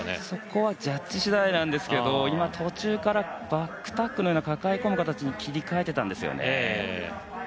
そこはジャッジ次第なんですけど今、途中からバックタックのような抱え込むような形に切り替えていたんですよね。